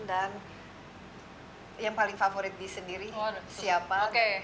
dan yang paling favorit di sendiri siapa